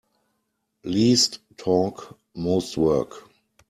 Least talk most work.